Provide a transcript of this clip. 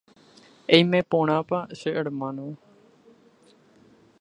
Eime porãpa che hermano.